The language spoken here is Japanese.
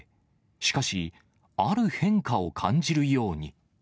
しかし、ある変化を感じるように。